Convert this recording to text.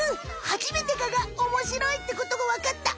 はじめてガがおもしろいってことがわかった！